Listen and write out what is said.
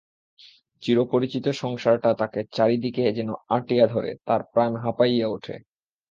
চিরপরিচিত সংসারটা তাকে চারি দিকে যেন আঁটিয়া ধরে, তার প্রাণ হাঁপাইয়া ওঠে।